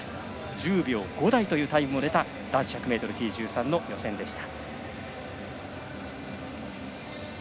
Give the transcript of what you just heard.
１０秒５台というタイムも出た男子１００ｍＴ１３の予選でした。